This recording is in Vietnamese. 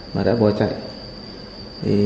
mà đã bỏ chạy